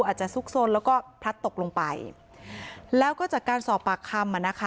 ซุกซนแล้วก็พลัดตกลงไปแล้วก็จากการสอบปากคำอ่ะนะคะ